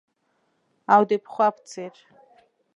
او د پخوا په څیر